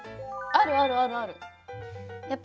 あるあるあるある！